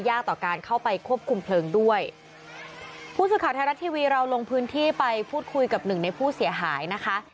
ต่อการเข้าไปควบคุมเพลิงด้วยผู้สื่อข่าวไทยรัฐทีวีเราลงพื้นที่ไปพูดคุยกับหนึ่งในผู้เสียหายนะคะ